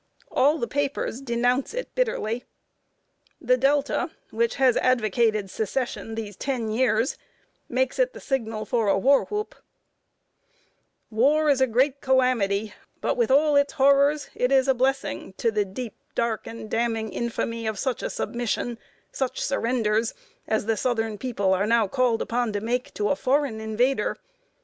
All the papers denounce it bitterly. The Delta, which has advocated Secession these ten years, makes it a signal for the war whoop: "War is a great calamity; but, with all its horrors, it is a blessing to the deep, dark, and damning infamy of such a submission, such surrenders, as the southern people are now called upon to make to a foreign invader.